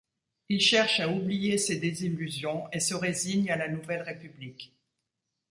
Il cherche à oublier ses désillusions et se résigne à la nouvelle république.